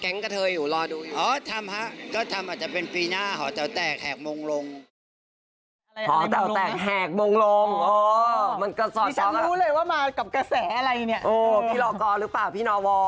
โอ้พี่รอกรรึเปล่าพี่นอวอร์โอ้อ่าไหนไหนไง